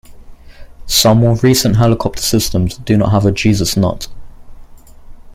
Some more recent helicopter systems do not have a Jesus nut.